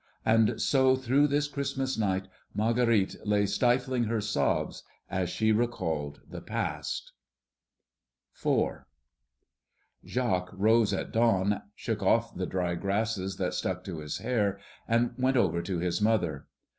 And so through this Christmas night Marguerite lay stifling her sobs as she recalled the past. IV. Jacques rose at dawn, shook off the dry grasses that stuck to his hair, and went over to his mother.